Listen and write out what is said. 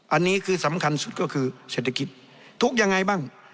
อันนี้คือสำคัญสุดก็คือเศรษฐกิจทุกข์ยังไงบ้าง